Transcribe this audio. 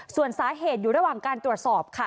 ส่วนสาเหตุอยู่ระหว่างการตรวจสอบค่ะ